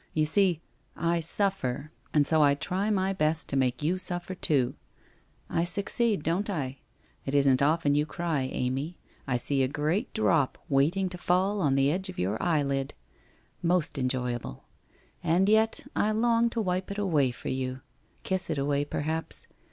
You see, I suffer, and so I try my best to make you suffer, too. I succeed, don't I? It isn't often you cry, Amy. I see a great drop waiting to fall on the edge of the eylid! Most en joyable ! And yet I long to wipe it away for you — kiss it away, perhaps?